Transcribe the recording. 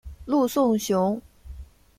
陆颂雄。